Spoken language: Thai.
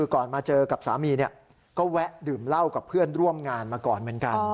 ก่อนมาเจอกับสามีก็แวะดื่มเหล้ากับเพื่อนร่วมงานมาก่อนเหมือนกัน